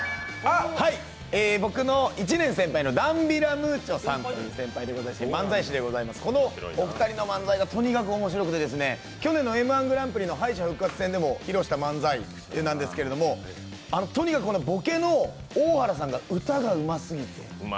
僕の１年先輩のダンビラムーチョさんという先輩で漫才師でございましてこのお二人の漫才がとにかく面白くて去年の「Ｍ−１グランプリ」の敗者復活戦でも披露した漫才なんですけどとにかくボケの大原さんが歌がうますぎて。